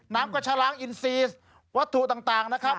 กระชะล้างอินซีวัตถุต่างนะครับ